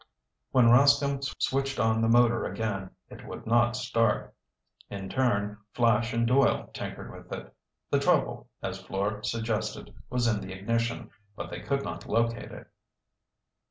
When Rascomb switched on the motor again it would not start. In turn, Flash and Doyle tinkered with it. The trouble, as Fleur had suggested, was in the ignition, but they could not locate it.